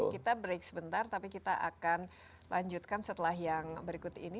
kita break sebentar tapi kita akan lanjutkan setelah yang berikut ini